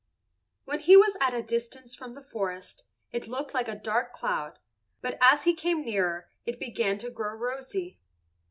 When he was at a distance from the forest, it looked like a dark cloud, but as he came nearer it began to grow rosy.